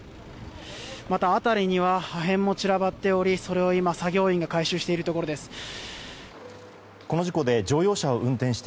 また、辺りには破片も散らばっておりそれを今、作業員が回収しているところです。